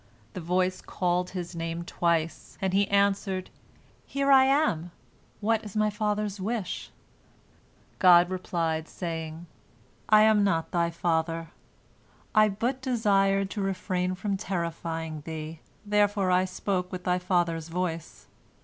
The voice called his name twice, and he answered, "Here am I! What is my father's wish?" God replied, saying, "I am not thy father. I but desired to refrain from terrifying thee, therefore I spoke with thy father's voice.